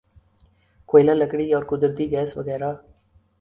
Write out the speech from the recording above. کوئلہ لکڑی اور قدرتی گیس وغیرہ